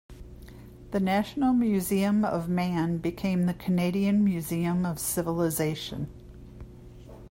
The National Museum of Man became the Canadian Museum of Civilization.